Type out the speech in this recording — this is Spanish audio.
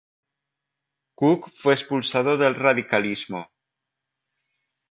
Cooke fue expulsado del radicalismo.